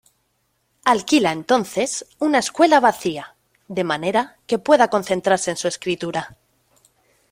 Alquila entonces una escuela vacía, de manera que pueda concentrarse en su escritura.